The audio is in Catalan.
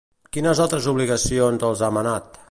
Quines altres obligacions els ha manat?